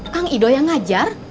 kang idoi yang ngajar